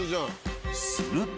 すると。